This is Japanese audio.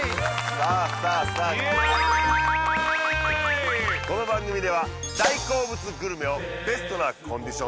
さあイヤーイこの番組では大好物グルメをベストなコンディション